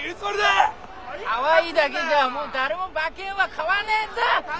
かわいいだけじゃもう誰も馬券は買わねえぞ！